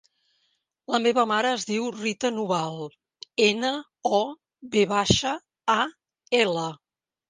La meva mare es diu Rita Noval: ena, o, ve baixa, a, ela.